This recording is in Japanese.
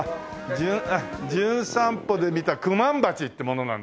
『じゅん散歩』で来たクマンバチという者なんですけども。